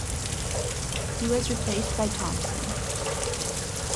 He was replaced by Thompson.